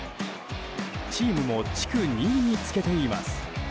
チームも地区２位につけています。